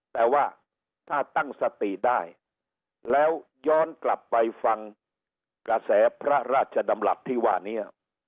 แต่ว่าถ้าตั้งสติได้แล้วย้อนกลับไปฟังกระแสพระราชดำรัฐที่ว่านี้